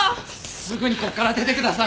すぐにここから出てください！